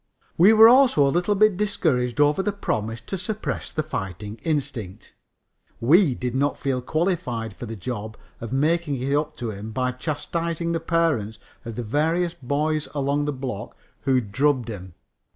We were also a little bit discouraged over the promise to suppress the fighting instinct. We did not feel qualified for the job of making it up to him by chastising the parents of the various boys along the block who drubbed him.